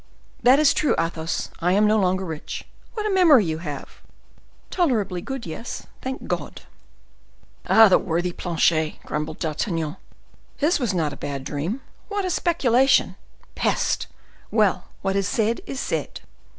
That is true, Athos; I am no longer rich. What a memory you have!" "Tolerably good; yes, thank God!" "The worthy Planchet!" grumbled D'Artagnan; "his was not a bad dream! What a speculation! Peste! Well! what is said is said."